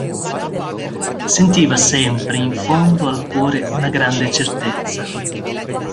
Sentiva sempre in fondo al cuore una grande certezza.